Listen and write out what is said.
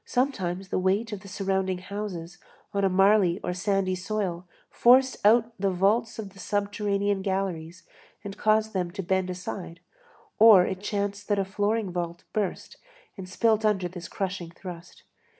Sometimes the weight of the surrounding houses on a marly or sandy soil forced out the vaults of the subterranean galleries and caused them to bend aside, or it chanced that a flooring vault burst and split under this crushing thrust.